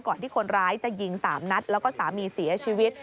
ที่คนร้ายจะยิง๓นัดแล้วก็สามีเสียชีวิต